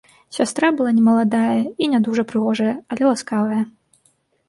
Сястра была не маладая і не дужа прыгожая, але ласкавая.